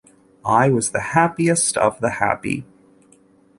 I was the happiest of the happy.